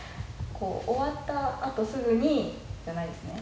終わったあとすぐにじゃないですね？